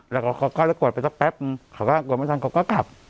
แล้วเขาก็จะกวดไปสักแป๊บนึงเขาก็กดไม่ทันเขาก็กลับ